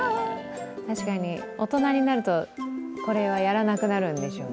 確かに、大人になるとこれはやらなくなるんでしょうね。